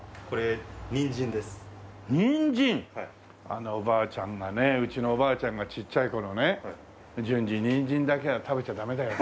あのおばあちゃんがねうちのおばあちゃんがちっちゃい頃ね「純次ニンジンだけは食べちゃダメだよ」